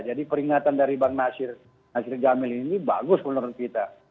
jadi peringatan dari bang nasir jamil ini bagus menurut kita